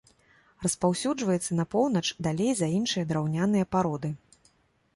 Распаўсюджваецца на поўнач далей за іншыя драўняныя пароды.